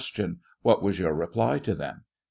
What was your reply to them ? A.